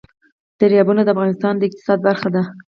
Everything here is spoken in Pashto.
دریابونه د افغانستان د اقتصاد برخه ده.